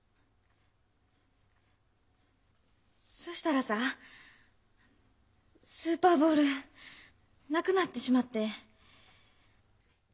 そしたらさぁスーパーボールなくなってしまって。